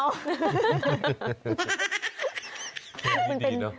เพลงดีเนาะ